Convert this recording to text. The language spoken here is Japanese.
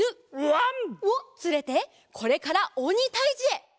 わん！をつれてこれからおにたいじへ！